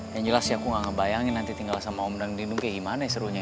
yang jelas sih aku gak ngebayangin nanti tinggal sama om dangdino kayak gimana ya serunya ya